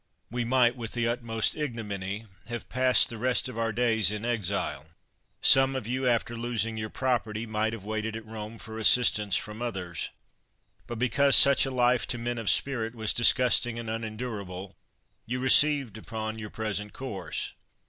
We might, with the utmost ignominy, have passed the rest of our days in exile. Some of you, 220 CATILIN] after losing your property, might have waited at Rome for assistance from others. But because such a life, to men of spirit, was disgusting and unendurable, you received upon your present course.